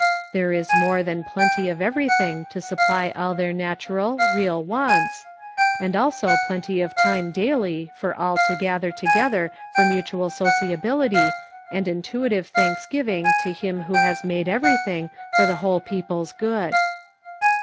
There is more than plenty of everything to supply all their natu ral, real wants, and also plenty of time daily for all to gather together for mutual sociability and intuitive thanks giving to Ilim who has made everything for the whole peo ple's good